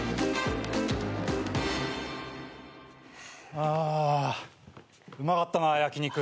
あうまかったな焼き肉。